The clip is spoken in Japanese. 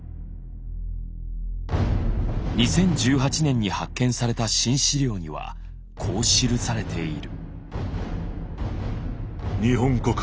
２０１８年に発見された新資料にはこう記されている。